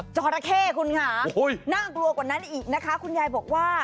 จราเข้คุณค่ะน่ากลัวกว่านั้นอีกนะคะคุณยายบอกว่า